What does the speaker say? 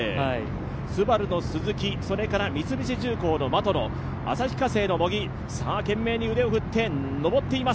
ＳＵＢＡＲＵの鈴木、三菱重工の的野、旭化成の茂木、懸命に腕を振って上っています。